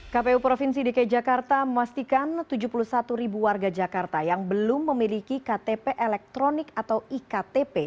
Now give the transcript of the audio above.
kpu provinsi dki jakarta memastikan tujuh puluh satu ribu warga jakarta yang belum memiliki ktp elektronik atau iktp